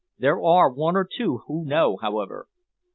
"There are one or two who know, however."